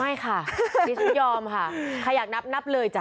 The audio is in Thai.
ไม่ค่ะดิฉันยอมค่ะใครอยากนับนับเลยจ้